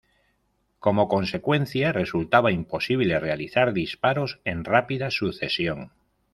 Como consecuencia, resultaba imposible realizar disparos en rápida sucesión.